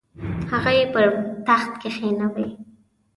هغه یې پر تخت کښینوي.